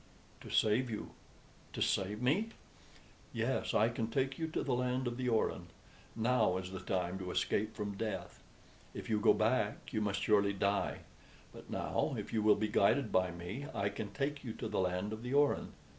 "To save you." "To save me?" "Yes. I can take you to the land of the Orin. Now is the time to escape from death. If you go back you must surely die; but now, if you will be guided by me, I can take you to the land of the Orin.